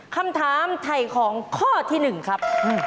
คำถามไถ่ของข้อที่๑ครับ